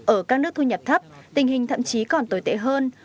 ở các nước thu nhập thấp tình hình thậm chí còn tồi tệ hơn